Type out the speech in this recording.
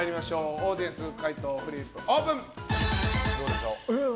オーディエンス解答フリップオープン。